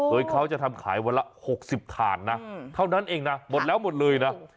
โดยเขาจะทำขายวันละ๖๐ถ่านนะเท่านั้นเองนะหมดแล้วหมดเลยนะ